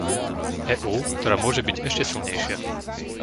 EÚ, ktorá môže byť ešte silnejšia.